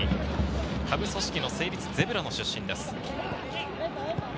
下部組織の成立ゼブラの出身です。